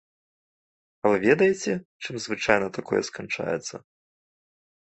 А вы ведаеце, чым звычайна такое сканчаецца.